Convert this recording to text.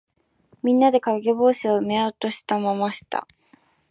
みんなで、かげぼうしに目を落としました。